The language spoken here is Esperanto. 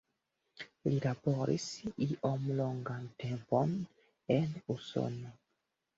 Li laboris iom longan tempon en Usono.